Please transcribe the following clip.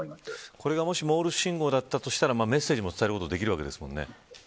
これがもしモールス信号だったとしたらメッセージを伝えることもできるわけですもんね。